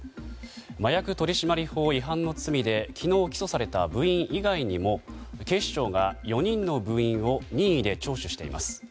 麻薬取締法違反の罪で昨日、起訴された部員以外にも警視庁が４人の部員を任意で聴取しています。